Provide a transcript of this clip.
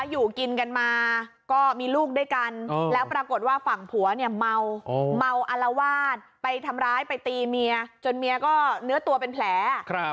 อยู่กินกันมาก็มีลูกด้วยกันแล้วปรากฏว่าฝั่งผัวเนี่ยเมาเมาอลวาดไปทำร้ายไปตีเมียจนเมียก็เนื้อตัวเป็นแผล